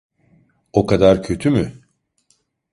O kadar kötü mü?